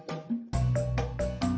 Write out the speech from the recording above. kamu sama amin